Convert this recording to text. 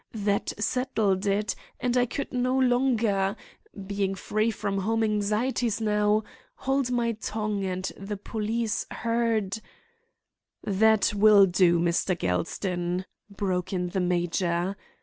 That settled it, and I could no longer—being free from home anxieties now—hold my tongue and the police heard—" "That will do, Mr. Gelston," broke in the major.